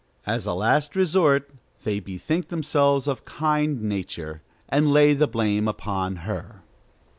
As a last resort, they bethink themselves of kind Nature, and lay the blame upon her.